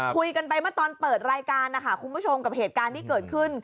คุยกันไปเมื่อตอนเปิดรายการนะคะคุณผู้ชมกับเหตุการณ์ที่เกิดขึ้น